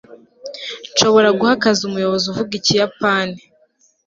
nshobora guha akazi umuyobozi uvuga ikiyapani